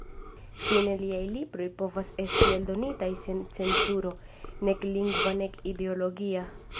Fine liaj libroj povas esti eldonitaj sen cenzuro, nek lingva nek ideologia.